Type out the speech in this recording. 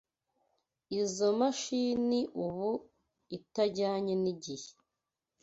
Izoi mashini ubu itajyanye n'igihe.